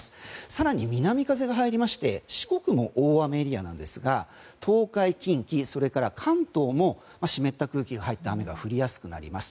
更に南風が入りまして四国も大雨エリアですが東海・近畿、それから関東も湿った空気が入った雨が降りやすくなります。